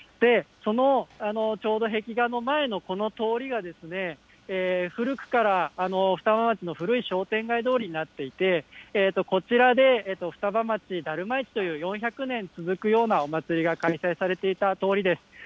そのちょうど壁画の前のこの通りが、古くから双葉町の古い商店街通りになっていて、こちらで双葉町ダルマ市という４００年続くようなお祭りが開催されていた通りです。